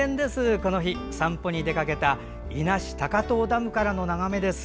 この日、散歩に出かけ伊那市、高遠ダムからの眺めです。